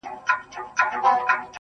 کندهاری زده چي وای پکتيا سره خبرې وکړه~